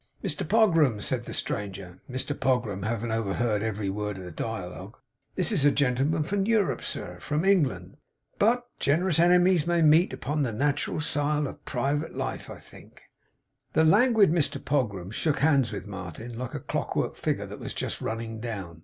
'Mr Pogram,' said the stranger Mr Pogram having overheard every word of the dialogue 'this is a gentleman from Europe, sir; from England, sir. But gen'rous ene mies may meet upon the neutral sile of private life, I think.' The languid Mr Pogram shook hands with Martin, like a clock work figure that was just running down.